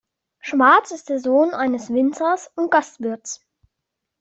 Schwarz ist der Sohn eines Winzers und Gastwirts.